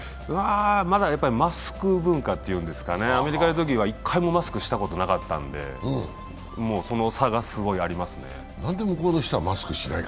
まだマスク文化というんですかね、アメリカにいたときは、１回もマスクしたことなかったんで、その差がすごいありますね。